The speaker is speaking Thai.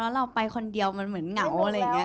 เราไปคนเดียวมันเหมือนเหงาอะไรอย่างนี้